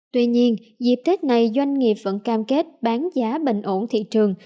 tuy nhiên dịp tết này doanh nghiệp vẫn cam kết bán giá bình ổn thị trường